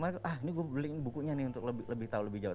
ah ini gue beliin bukunya nih untuk lebih tahu lebih jauh